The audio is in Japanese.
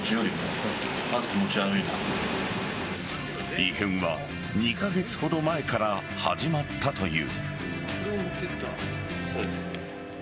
異変は２カ月ほど前から始まったという。